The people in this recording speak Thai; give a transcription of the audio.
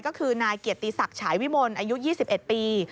ก็คือนายเกียรติศักดิ์ฉายวิมลอายุ๒๑ปี